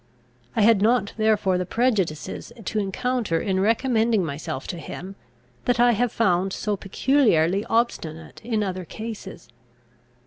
I had not therefore the prejudices to encounter in recommending myself to him, that I have found so peculiarly obstinate in other cases.